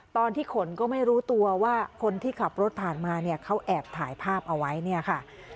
ตอนที่ขนก็ไม่รู้ตัวว่าคนที่ขับรถผ่านมาเนี่ยเขาแอบถ่ายภาพเอาไว้เนี่ยค่ะ